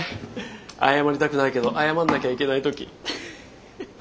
謝りたくないけど謝んなきゃいけない時。